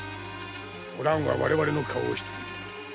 おらんは我々の顔を知っている。